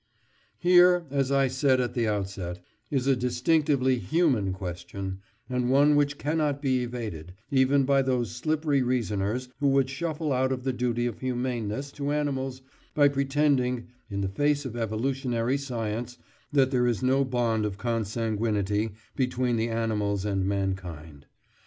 Here, as I said at the outset, is a distinctively human question, and one which cannot be evaded, even by those slippery reasoners who would shuffle out of the duty of humaneness to animals by pretending (in the face of evolutionary science) that there is no bond of consanguinity between the animals and mankind.